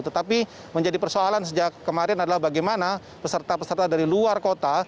tetapi menjadi persoalan sejak kemarin adalah bagaimana peserta peserta dari luar kota